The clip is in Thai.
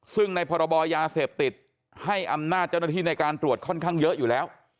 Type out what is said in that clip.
ซึ่งในพรบยาเสพติดให้อำนาจเจ้าหน้าที่ในการตรวจค่อนข้างเยอะอยู่แล้ว